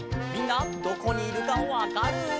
みんなどこにいるかわかる？